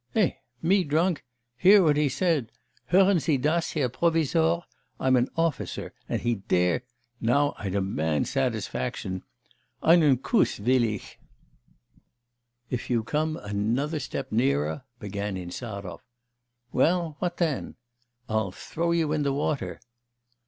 'Eh? me drunk? Hear what he says. Hören Sie das, Herr Provisor? I'm an officer, and he dares... Now I demand satisfaction! Einen Kuss will ich.' 'If you come another step nearer ' began Insarov. 'Well? What then' 'I'll throw you in the water!